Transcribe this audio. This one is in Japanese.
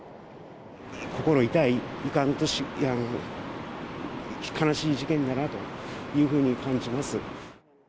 心痛い、悲しい事件だなというふうに感じます。